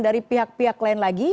dari pihak pihak lain lagi